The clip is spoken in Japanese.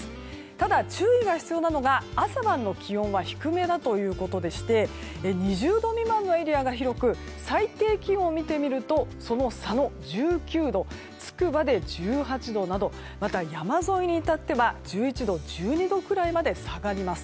ただ、注意が必要なのが朝晩の気温は低めだということでして２０度未満のエリアが広く最低気温を見てみるとその佐野、１９度つくばで１８度などまた、山沿いに至っては１１度１２度ぐらいまで下がります。